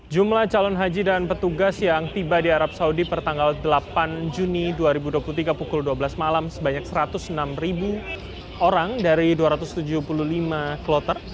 jumlah calon haji dan petugas yang tiba di arab saudi pertanggal delapan juni dua ribu dua puluh tiga pukul dua belas malam sebanyak satu ratus enam orang dari dua ratus tujuh puluh lima kloter